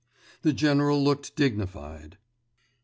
The general looked dignified.